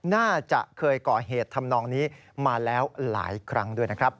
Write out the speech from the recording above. น่าจะเคยก่อเหตุทำนองนี้มาแล้วหลายครั้งด้วยนะครับ